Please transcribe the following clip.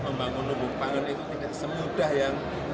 membangun nubuk pangan itu tidak semudah ya